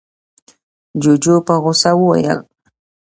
جُوجُو په غوسه وويل: